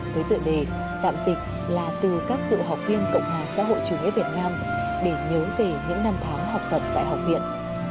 với tựa đề tạm dịch là từ các cựu học viên cộng hòa xã hội chủ nghĩa việt nam để nhớ về những năm tháng học tập tại học viện